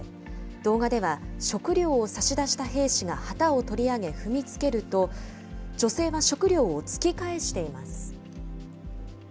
動画では食料を差し出した兵士が旗を取り上げ、踏みつけると、女性は食料を突き返しています。